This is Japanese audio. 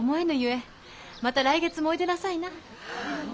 また来月もおいでなさいな。